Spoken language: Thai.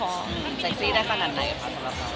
เซ็กซี่ได้ขนาดไหนคะสำหรับเขา